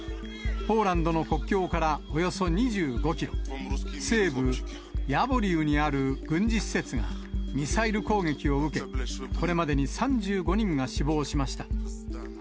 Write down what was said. ポーランドの国境からおよそ２５キロ、西部ヤボリウにある軍事施設がミサイル攻撃を受け、これまでに３５人が死亡しました。